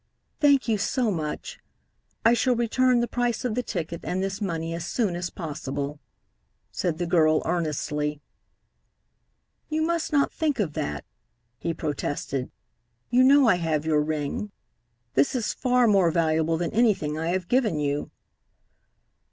"Thank you so much. I shall return the price of the ticket and this money as soon as possible," said the girl earnestly. "You must not think of that," he protested. "You know I have your ring. That is far more valuable than anything I have given you."